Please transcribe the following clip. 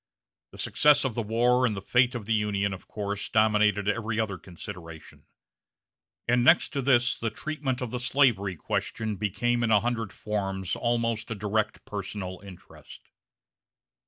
The success of the war, and fate of the Union, of course dominated every other consideration; and next to this the treatment of the slavery question became in a hundred forms almost a direct personal interest.